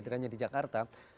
tidak hanya di jakarta